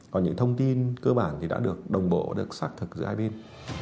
còn những thông tin cơ bản thì đã được đồng bộ được xác thực giữa hai bên